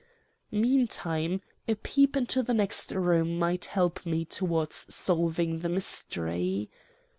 "Meantime a peep into the next room might help me towards solving the mystery.